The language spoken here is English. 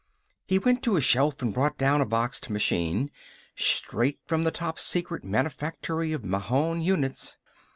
He went to a shelf and brought down a boxed machine, straight from the top secret manufactory of Mahon units.